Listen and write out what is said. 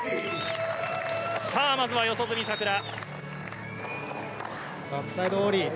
さあまずは四十住さくら。